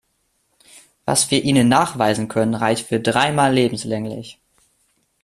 Was wir Ihnen nachweisen können, reicht für dreimal lebenslänglich.